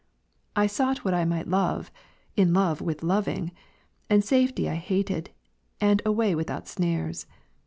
I sought what I might love, in love with loving, and safety I hated, and a way without snares.